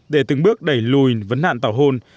để từng bước đẩy lùi vấn hạn tảo hôn